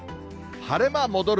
晴れ間戻る。